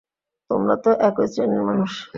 তোমরা তো একই শ্রেনীর মানুষ।